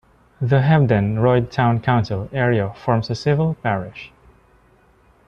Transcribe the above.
The Hebden Royd Town Council area forms a civil parish.